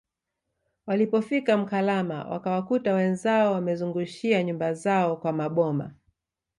Walipofika Mkalama wakawakuta wenzao wamezungushia nyumba zao kwa Maboma